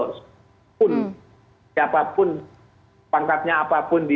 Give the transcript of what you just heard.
pun siapapun pangkatnya apapun dia